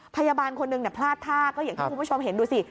พยาบาลคนหนึ่งพลาดท่าก็อย่างที่คุณผู้ชมเห็นดูสิ